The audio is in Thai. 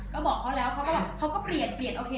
ก็บอกเขาแล้วเขาก็เปลี่ยนโอเค